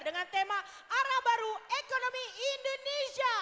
dengan tema arah baru ekonomi indonesia